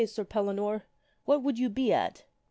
Sir Pellinore; what would you be at?